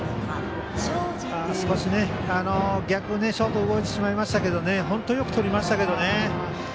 少し逆にショートは動いてしまいましたが本当によくとりましたけどね。